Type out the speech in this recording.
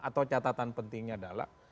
atau catatan pentingnya adalah